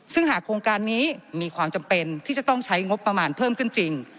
ซึ่งหากโครงการนี้มีความจำเป็นที่จะต้องใช้งบประมาณเพิ่มขึ้นจริง